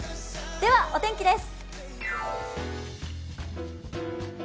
では、お天気です。